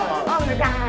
oh udah tahan